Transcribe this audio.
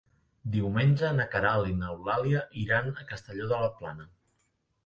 Diumenge na Queralt i n'Eulàlia iran a Castelló de la Plana.